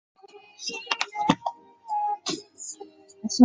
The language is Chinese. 木兰山古建筑群为湖北省文物保护单位。